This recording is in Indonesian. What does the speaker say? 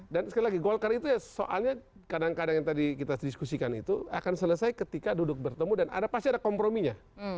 dan sekali lagi golkar itu ya soalnya kadang kadang yang tadi kita diskusikan itu akan selesai ketika duduk bertemu dan pasti ada komprominya